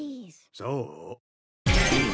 そう？